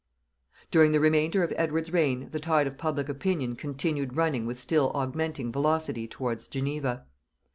During the remainder of Edward's reign the tide of public opinion continued running with still augmenting velocity towards Geneva.